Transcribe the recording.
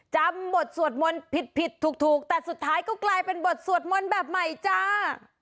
จำบทสวดมนต์ผิดผิดถูกแต่สุดท้ายก็กลายเป็นบทสวดมนต์แบบใหม่จ้า